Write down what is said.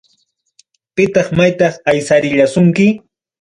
Pitaq maytaq aysarillasunki.